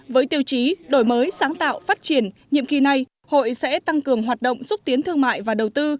với tiêu chí đổi mới sáng tạo phát triển nhiệm kỳ này hội sẽ tăng cường hoạt động xúc tiến thương mại và đầu tư